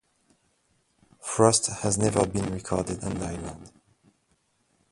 Frost has never been recorded on the island.